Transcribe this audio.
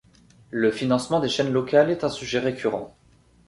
Le financement des chaînes locales est un sujet récurrent.